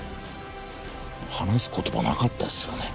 話す言葉なかったですよね。